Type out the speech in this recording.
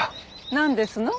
なんですの？